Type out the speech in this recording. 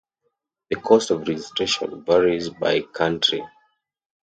The cost of registration varies by country.